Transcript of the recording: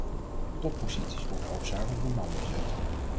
Topposities worden hoofdzakelijk door mannen bezet.